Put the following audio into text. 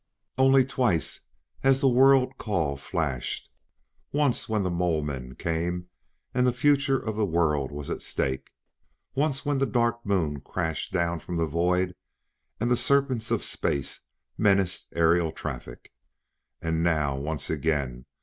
"Only twice has the world call flashed: once when the Molemen came and the future of the world was at stake; once when the Dark Moon crashed down from the void and the serpents of space menaced aerial traffic. And now once again!